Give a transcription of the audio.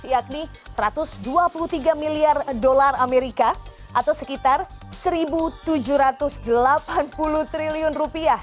yakni satu ratus dua puluh tiga miliar dolar amerika atau sekitar satu tujuh ratus delapan puluh triliun rupiah